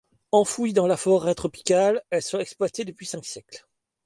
Enfouies dans la forêt tropicale, elles sont exploitées depuis cinq siècles.